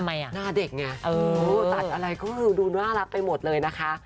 หน้าเด็กไงตัดอะไรก็ดูน่ารักไปหมดเลยนะคะ